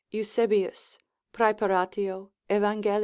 (Eusebius praepar. Evangel.